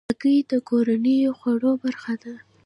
هګۍ د کورنیو خوړو برخه ده.